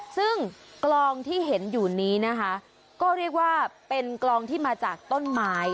ซึ่งกลองที่เห็นอยู่นี้นะคะก็เรียกว่าเป็นกลองที่มาจากต้นไม้